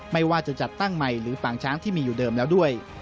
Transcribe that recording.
ไม่ว่าจะจัดตั้งใหม่หรือปางช้างที่มีอยู่เดิมแล้วด้วย